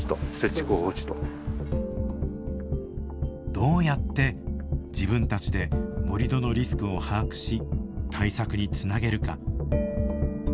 どうやって自分たちで盛土のリスクを把握し対策につなげるか。